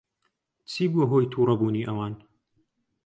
چی بووە ھۆی تووڕەبوونی ئەوان؟